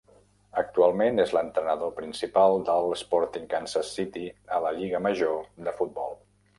Actualment és l'entrenador principal del Sporting Kansas City al la lliga major de futbol.